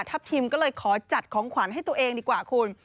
ทิมก็เลยขอจัดของขวัญให้ตัวเองดีกว่าคุณ